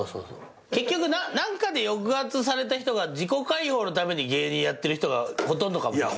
結局何かで抑圧された人が自己解放のために芸人やってる人がほとんどかも。